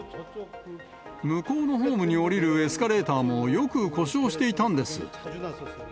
向こうのホームにおりるエスカレーターもよく故障していたんです。